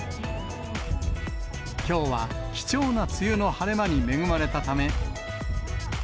きょうは貴重な梅雨の晴れ間に恵まれたため。